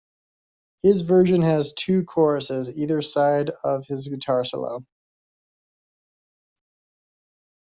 His version has two choruses either side of his guitar solo.